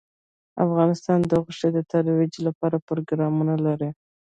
افغانستان د غوښې د ترویج لپاره پروګرامونه لري.